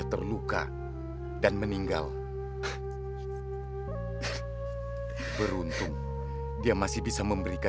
pergi pak pergi pak